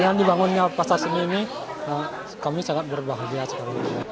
dengan dibangunnya pasar seni ini kami sangat berbahagia sekarang